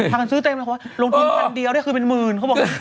พาการซื้อเต็มลงทุนพันเดียวได้คือเป็นหมื่น